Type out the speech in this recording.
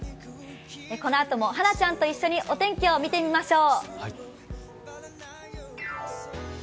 このあともハナちゃんと一緒にお天気を見てみましょう。